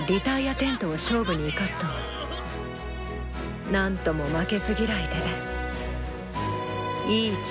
テントを勝負に生かすとは何とも負けず嫌いでいいチームだな。